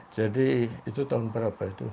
jadi itu tahun berapa itu